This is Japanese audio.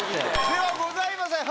ではございません！